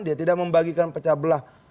dia tidak membagikan pecah belah